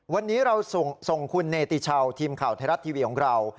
วันนี้เราส่งคุณเนติชาวทีมข่าวไทยรัฐทีวีของเรา